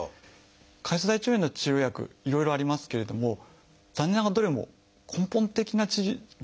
潰瘍性大腸炎の治療薬いろいろありますけれども残念ながらどれも根本的な原因を治してるわけじゃない。